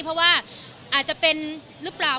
เพราะว่าอาจจะเป็นหรือเปล่า